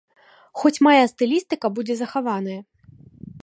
Хоць мая стылістыка будзе захаваная.